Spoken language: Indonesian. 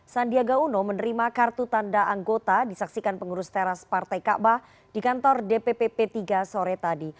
sandiaga uno menerima kartu tanda anggota disaksikan pengurus teras partai kaabah di kantor dpp p tiga sore tadi